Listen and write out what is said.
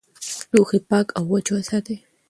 لوښي پاک او وچ وساتئ.